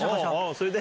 それで？